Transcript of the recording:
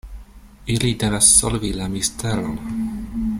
Ili devas solvi la misteron.